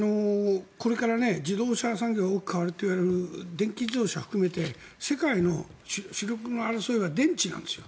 これから自動車産業大きく変わるといわれる電気自動車を含めて世界の主力の争いは電池なんです。